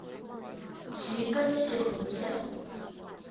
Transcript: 其根系很浅。